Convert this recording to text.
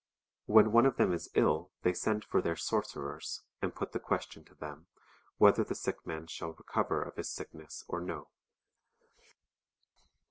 "* When one of them is ill they send for their sorcerers, and put the question to them, whether the sick man shall recover of his sickness or no.